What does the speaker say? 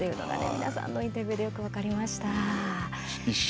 皆さんのインタビューでよく分かりました。